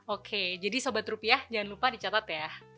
oke jadi sobat rupiah jangan lupa dicatat ya